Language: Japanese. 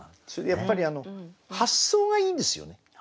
やっぱり発想がいいんですよね。